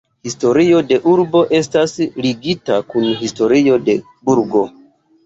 Historio de urbo estas ligita kun historio de burgo.